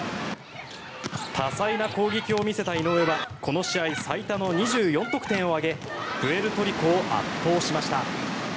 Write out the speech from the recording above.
多彩な攻撃を見せた井上はこの試合最多の２４得点を挙げプエルトリコを圧倒しました。